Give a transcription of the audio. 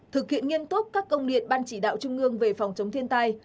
một thực hiện nghiên túc các công liệt ban chỉ đạo trung ương về phòng chống thiên tai